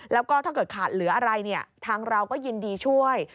แล้วก็ถ้าเกิดขาดเหลืออะไรเนี่ยทางเราก็ยินดีช่วย